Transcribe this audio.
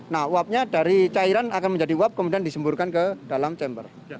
nah uapnya dari cairan akan menjadi uap kemudian disemburkan ke dalam chamber